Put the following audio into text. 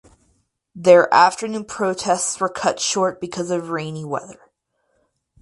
Their afternoon protests were cut short because of rainy weather.